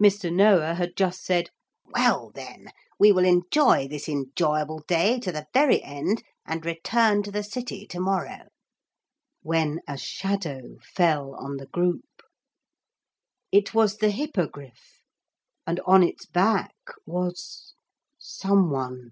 Mr. Noah had just said, 'Well, then, we will enjoy this enjoyable day to the very end and return to the city to morrow,' when a shadow fell on the group. It was the Hippogriff, and on its back was some one.